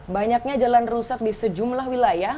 banyaknya jalan rusak di sejumlah wilayah